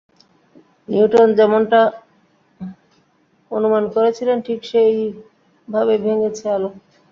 Newton যেমনটা অনুমান করেছিলেন ঠিক সেই ভাবেই ভেঙেছে আলো।